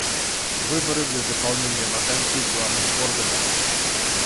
Выборы для заполнения вакансий в главных органах.